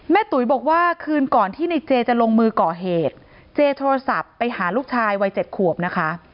ตุ๋ยบอกว่าคืนก่อนที่ในเจจะลงมือก่อเหตุเจโทรศัพท์ไปหาลูกชายวัยเจ็ดขวบนะคะ